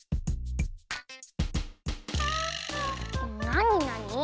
なになに？